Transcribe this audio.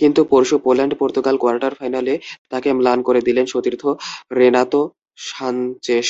কিন্তু পরশু Poland Portugal quarter ফাইনালে তাঁকে ম্লান করে দিলেন সতীর্থ রেনাতো সানচেস।